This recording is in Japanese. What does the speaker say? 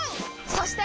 そして！